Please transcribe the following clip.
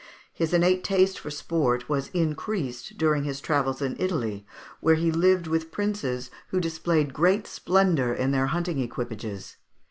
His innate taste for sport was increased during his travels in Italy, where he lived with princes who displayed great splendour in their hunting equipages.